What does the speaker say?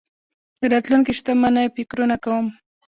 د راتلونکې شتمنۍ فکرونه کوم.